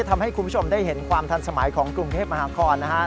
ทำให้คุณผู้ชมได้เห็นความทันสมัยของกรุงเทพมหานครนะฮะ